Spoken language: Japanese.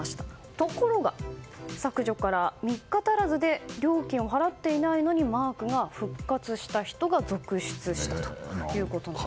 ところが、削除から３日足らずで料金を払っていないのにマークが復活した人が続出したということなんです。